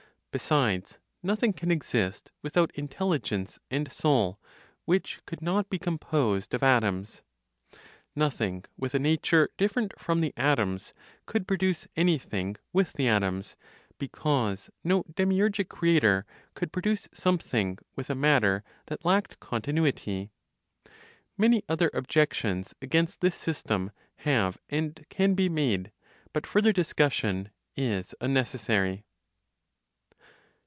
Besides nothing can exist without intelligence and soul, which could not be composed of atoms. Nothing with a nature different from the atoms could produce anything with the atoms, because no demiurgic creator could produce something with a matter that lacked continuity. Many other objections against this system have and can be made; but further discussion is unnecessary.